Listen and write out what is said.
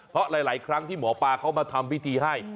เพราะหลายครั้งที่หมอปลาเขามาทำพิธีให้